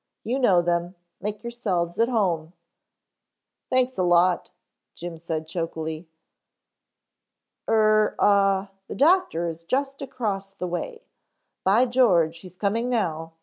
"You know them. Make yourselves at home " "Thanks a lot," Jim said chokily. "Er, ah, the doctor is just across the way. By George, he's coming now.